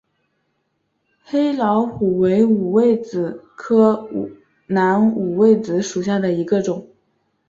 黑老虎为五味子科南五味子属下的一个种。